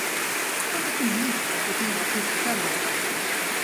Hon är för liten för fina tuschpennor än.